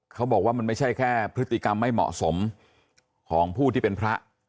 เขาบอกว่ามันไม่ใช่แค่พฤติกรรมไม่เหมาะสมของผู้ที่เป็นพระ